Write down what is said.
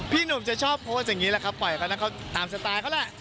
พี่หนุ่มจะชอบโพสต์อย่างนี้แหละครับปล่อยตอนนั้นเขาตามสไตล์เขาแหละ